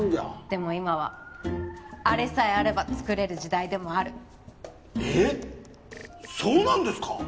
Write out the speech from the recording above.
でも今はあれさえあれば作れる時代でもあるえっそうなんですか？